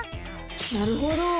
なるほど！